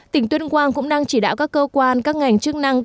tỉnh tuyên quang cũng đang chỉ đạo các cơ quan các ngành chức năng